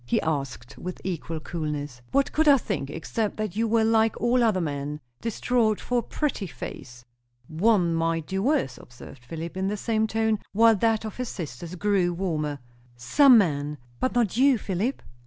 he asked with equal coolness. "What could I think, except that you were like all other men distraught for a pretty face." "One might do worse," observed Philip, in the same tone, while that of his sister grew warmer. "Some men, but not you, Philip?"